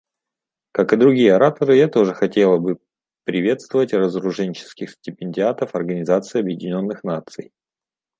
Как и другие ораторы, я тоже хотела бы приветствовать разоруженческих стипендиатов Организации Объединенных Наций.